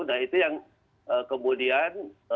nah itu yang kemudian